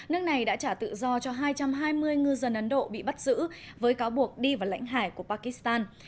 nước này đã trả tự do cho hai trăm hai mươi ngư dân ấn độ bị bắt giữ với cáo buộc đi vào lãnh hải của pakistan